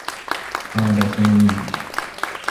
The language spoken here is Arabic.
هرب سامي.